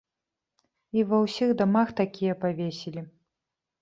І ва ўсіх дамах такія павесілі.